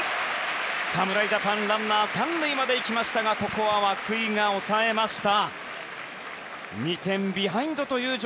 侍ジャパンランナー３塁まで行きましたがここは涌井が抑えました。